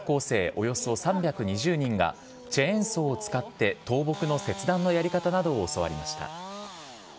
およそ３２０人が、チェーンソーを使って倒木の切断のやり方などを教わりました。